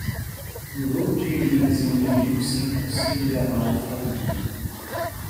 Um grupo de meninas e um menino sentam-se no gramado falando.